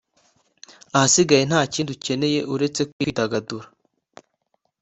ahasigaye nta kindi ukeneye uretse kwidagadura